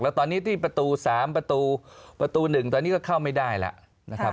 แล้วตอนนี้ที่ประตู๓ประตูประตู๑ตอนนี้ก็เข้าไม่ได้แล้วนะครับ